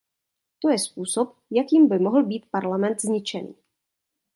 To je způsob, jakým by mohl být parlament zničený.